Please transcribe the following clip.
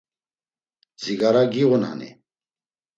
Dzigara giğunani?